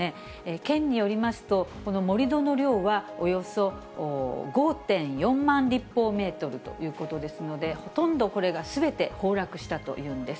県によりますと、この盛り土の量はおよそ５．４万立方メートルということですので、ほとんどこれがすべて崩落したというんです。